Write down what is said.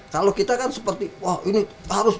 kalau kita kan seperti wah ini harus